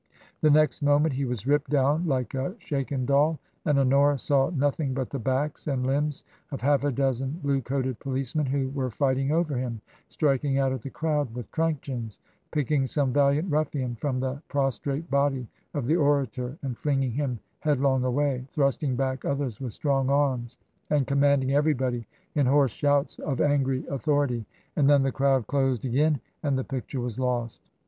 The next moment he was ripped down like a shaken doll, and Honora saw nothing but the backs and limbs of half a dozen blue coated policemen who were fighting over him, striking out at the crowd with truncheons, picking some valiant ruffian from the pros trate body of the orator and flinging him headlong away, thrusting back others with strong arms, and commanding everybody in hoarse shouts of angry authority. And then the crowd closed again and the picture was lost.